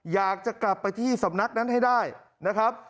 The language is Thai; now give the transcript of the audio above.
อยากจะกลับไปที่สำนักนั้นให้ได้นะครับ